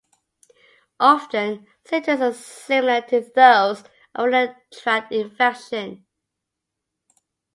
Often, symptoms are similar to those of a urinary tract infection.